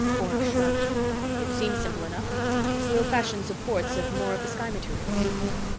Bork shrugged. "It seems simple enough. We'll fashion supports of more of the sky material."